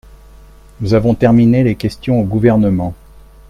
Nous avons terminé les questions au Gouvernement.